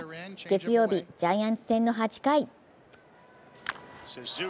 月曜日、ジャイアンツ戦の８回。